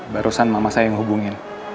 barusan mama saya yang hubungin